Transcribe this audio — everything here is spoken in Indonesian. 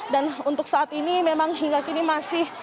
dan untuk saat ini memang hingga kini masih